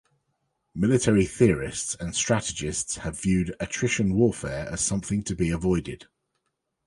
Military theorists and strategists have viewed attrition warfare as something to be avoided.